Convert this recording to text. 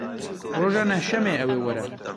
Roja nehşemê ew ê were.